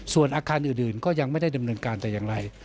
ส่วนอาคารอื่นก็ยังไม่ได้ดำเนินการแต่อย่างไร